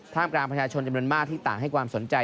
กลางประชาชนจำนวนมากที่ต่างให้ความสนใจ